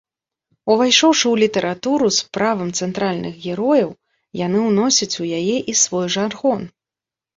Увайшоўшы ў літаратуру з правам цэнтральных герояў, яны ўносяць у яе і свой жаргон.